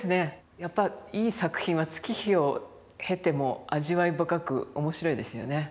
やっぱりいい作品は月日を経ても味わい深く面白いですよね。